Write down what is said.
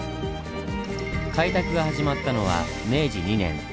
開拓が始まったのは明治２年。